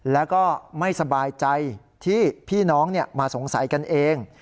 แล้วก็ไม่สบายใจที่พี่น้องมาสงสัยกันเอง